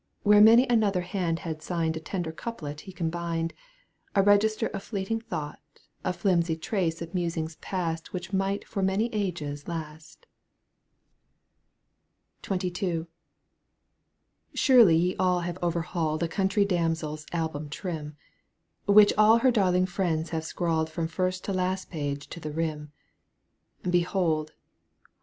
Where many another hand had signed A tender couplet he combined, A register of fleeting thought, A flimsy trace of musings past Which might for many ages last. Digitized by CjOOQ 1С щят 112 EUGENE ON^GUINE. cahtoivi XXIL Surely ye аД have overhauled A country damsel's album trim, Which аЛ her darling friends have scrawled • From first to last page to the rim. Behold